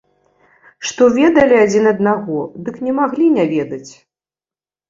Што ведалі адзін аднаго, дык не маглі не ведаць.